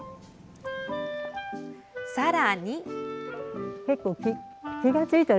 さらに。